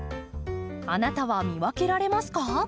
あなたは見分けられますか？